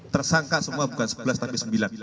tersangka semua bukan sebelas tapi sembilan